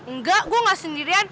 nggak gua ga sendirian